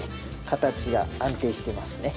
形が安定してますね。